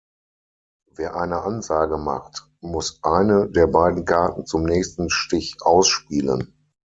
Wer eine Ansage macht, muss "eine" der beiden Karten zum nächsten Stich ausspielen.